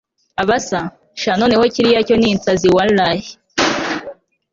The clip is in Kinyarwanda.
abasa! sha noneho kiriya cyo ninsazi wallah